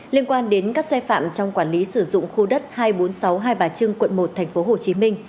liên quan đến các xe phạm trong quản lý sử dụng khu đất hai trăm bốn mươi sáu hai bà trưng quận một tp hcm